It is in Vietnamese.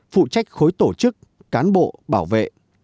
phụ trách khối tổ chức cán bộ bảo vệ